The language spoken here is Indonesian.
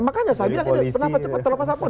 makanya saya bilang kenapa cepat terluka apapun